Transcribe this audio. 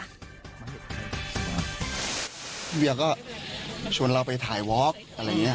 เบียร์ก็ชวนเราไปถ่ายวอล์กอะไรอย่างนี้